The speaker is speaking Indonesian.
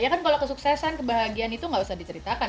ya kan kalau kesuksesan kebahagiaan itu nggak usah diceritakan